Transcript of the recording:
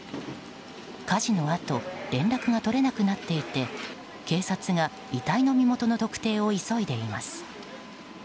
火事のあと連絡が取れなくなっていて警察が遺体の身元の特定を急いでいます。